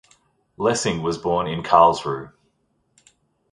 Lessing was born in Karlsruhe.